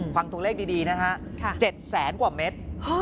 ฟังตัวเลขดีนะฮะ๗แสนกว่าเมตร